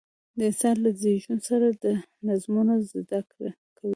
انسانان له زېږون سره دا نظمونه زده کوي.